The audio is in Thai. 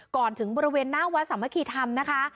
ก่อนถึงบริเวณหน้าวัดสามัคคีธรรมนะคะ